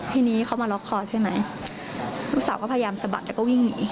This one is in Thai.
ทีนี้เขามาล็อกคอใช่ไหมลูกสาวก็พยายามสะบัดแล้วก็วิ่งหนี